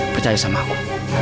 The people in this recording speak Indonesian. percaya sama aku